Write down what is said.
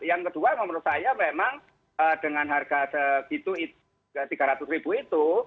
yang kedua menurut saya memang dengan harga rp tiga ratus itu